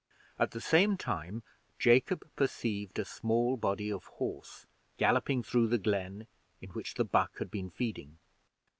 At the same time Jacob perceived a small body of horse galloping through the glen in which the buck had been feeding.